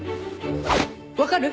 わかる？